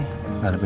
paling berapa sih